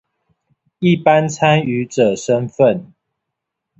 一般參與者身分